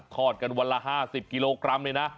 อดกันวันละ๕๐กิโลกรัมเลยนะ